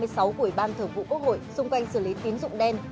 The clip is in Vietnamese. của ủy ban thượng vụ quốc hội xung quanh xử lý tín dụng đen